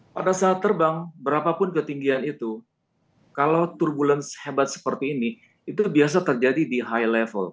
pada saat terbang berapapun ketinggian itu kalau turbulence hebat seperti ini itu biasa terjadi di high level